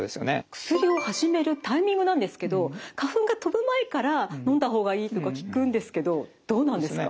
薬を始めるタイミングなんですけど花粉が飛ぶ前からのんだ方がいいとか聞くんですけどどうなんですか？